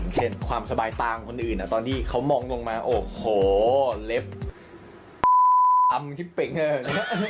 อย่างเช่นความสบายตาของคนอื่นอ่ะตอนนี้เขามองลงมาโอ้โหเล็บที่เป็นเงิน